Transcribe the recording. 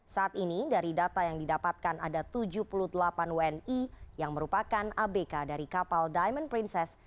saat ini dari data yang didapatkan ada tujuh puluh delapan wni yang merupakan abk dari kapal diamond princess